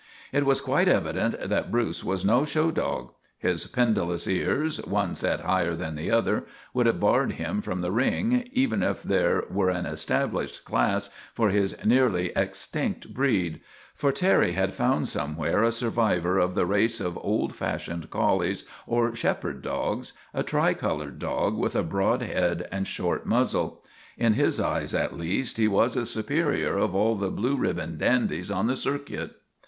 It was quite evident that Bruce was no show dog. His pendulous ears, one set higher than the other, would have barred him from the ring, even if there were an established class for his nearly ex tinct breed. For Terry had found somewhere a survivor of the race of old fashioned collies or shepherd dogs a tri colored dog with a broad head and short muzzle. In his eyes, at least, he was the superior of all the blue ribbon dandies on the circuit.